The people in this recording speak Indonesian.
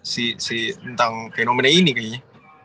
si tentang fenomena ini kayaknya